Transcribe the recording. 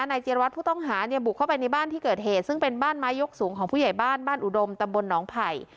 เจรวัตรผู้ต้องหาเนี่ยบุกเข้าไปในบ้านที่เกิดเหตุซึ่งเป็นบ้านไม้ยกสูงของผู้ใหญ่บ้านบ้านอุดมตำบลหนองไผ่